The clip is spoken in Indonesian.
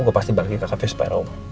gue pasti balikin ke cafe supaya raum